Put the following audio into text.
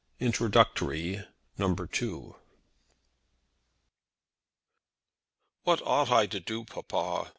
INTRODUCTORY NUMBER TWO. "What ought I to do, papa?"